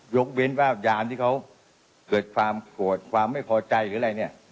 ยกเว้นว่ายามที่เขาเกิดความโกรธความไม่พอใจหรืออะไรเนี่ย